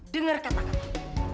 dengar kata kata aku